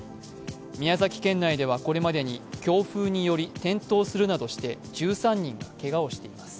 宮崎県内ではこれまでに強風により転倒するなどして１３人がけがをしています。